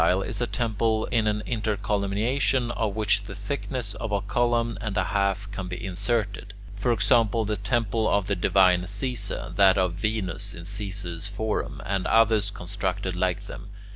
The pycnostyle is a temple in an intercolumniation of which the thickness of a column and a half can be inserted: for example, the temple of the Divine Caesar, that of Venus in Caesar's forum, and others constructed like them.